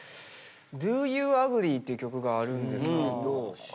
「Ｄｏｙｏｕａｇｒｅｅ？」っていう曲があるんですけど。